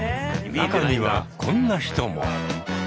中にはこんな人も。